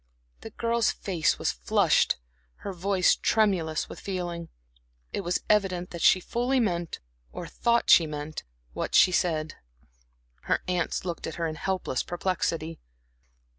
The girl's face was flushed, her voice tremulous with feeling; it was evident that she fully meant or thought that she meant what she said. Her aunts looked at her in helpless perplexity.